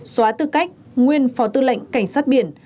xóa tư cách nguyên phó tư lệnh cảnh sát biển